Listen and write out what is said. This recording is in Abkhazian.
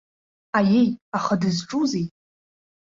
Аиеи, аха дызҿузеи?